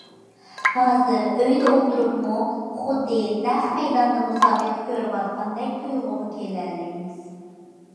ھازىر ئۆيدە ئولتۇرۇپمۇ، خۇددى نەق مەيداندا مۇسابىقە كۆرۈۋاتقاندەك تۇيغۇغا كېلەلەيمىز.